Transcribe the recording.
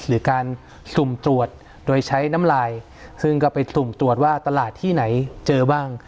หรือการสุ่มตรวจโดยใช้น้ำลายซึ่งก็ไปสุ่มตรวจว่าตลาดที่ไหนเจอบ้าง